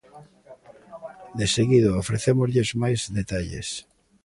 Deseguido, ofrecémoslles máis detalles.